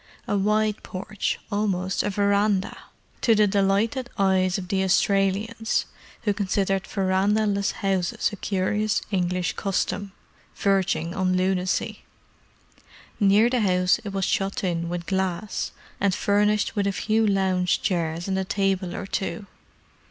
A wide porch, almost a verandah; to the delighted eyes of the Australians, who considered verandah less houses a curious English custom, verging on lunacy. Near the house it was shut in with glass, and furnished with a few lounge chairs and a table or two.